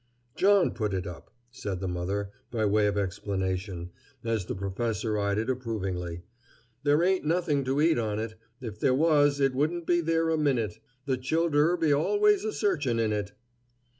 "John put it up," said the mother, by way of explanation, as the professor eyed it approvingly. "There ain't nothing to eat on it. If there was, it wouldn't be there a minute. The childer be always a searchin' in it."